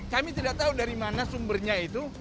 kami tidak tahu dari mana sumbernya itu